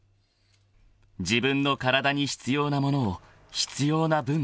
［自分の体に必要なものを必要な分だけ］